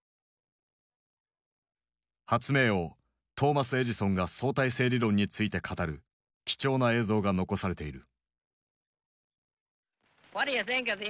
発明王トーマス・エジソンが相対性理論について語る貴重な映像が残されている。